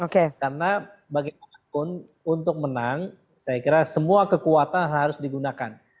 karena bagaimanapun untuk menang saya kira semua kekuatan harus digunakan